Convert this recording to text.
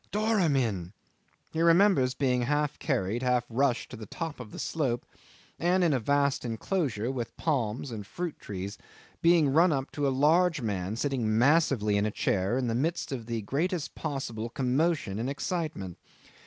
Doramin!" He remembers being half carried, half rushed to the top of the slope, and in a vast enclosure with palms and fruit trees being run up to a large man sitting massively in a chair in the midst of the greatest possible commotion and excitement.